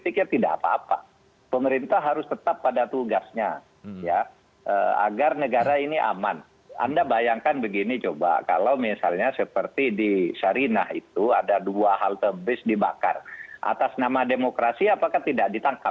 ke muka seorang polisi polisinya